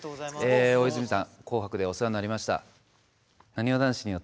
大泉さん「紅白」でお世話になりました。